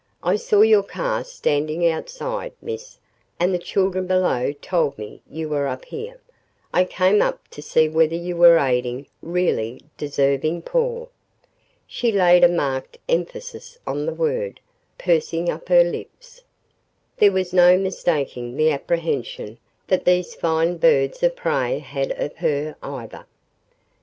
"I saw your car standing outside, Miss, and the children below told me you were up here. I came up to see whether you were aiding really DESERVING poor." She laid a marked emphasis on the word, pursing up her lips. There was no mistaking the apprehension that these fine birds of prey had of her, either.